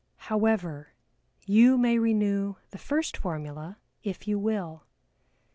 However, you may renew the first formula if you will.